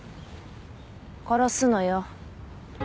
殺すのよ。